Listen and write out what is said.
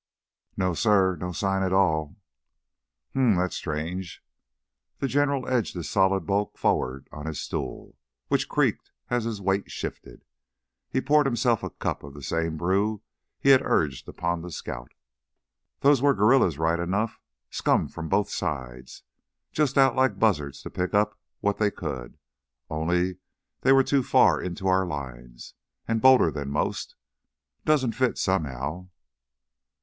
"No, suh, no sign at all." "Hmm. That's strange." The General edged his solid bulk forward on his stool, which creaked as his weight shifted. He poured himself a cup of the same brew he had urged upon the scout. "Those were guerrillas right enough. Scum from both sides, just out like buzzards to pick up what they could. Only they were too far into our lines ... and bolder than most. Doesn't fit somehow."